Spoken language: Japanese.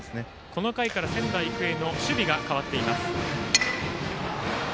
この回から仙台育英の守備が変わりました。